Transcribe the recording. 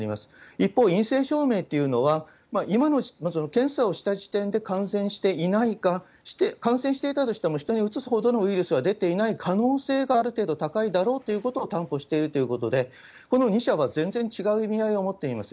一方、陰性証明というのは、今の検査をした時点で感染していないか、感染していたとしても人にうつすほどのウイルスは出ていない可能性がある程度高いだろうということを担保しているということで、この２者は全然違う意味合いを持っています。